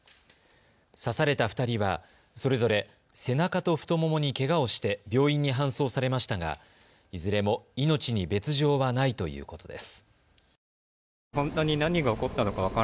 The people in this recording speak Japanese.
刺された２人は、それぞれ背中と太ももにけがをして病院に搬送されましたがいずれも、命に別状はないということです。